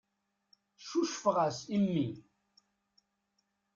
Cucfeɣ-as i mmi.